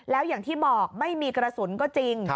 แล้วอย่างที่บอกไม่มีกระสุนก็จริง